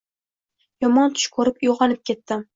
Yomon tush ko`rib uyg`onib ketdim